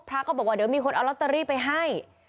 พระก็บอกว่าเดี๋ยวมีคนเอาลอตเตอรี่ไปให้